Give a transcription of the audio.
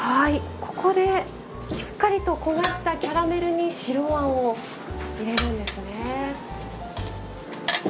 ここでしっかりと焦がしたキャラメルに白あんを入れるんですね。